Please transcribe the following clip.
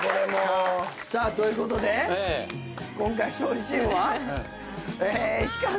ということで今回勝利チームは。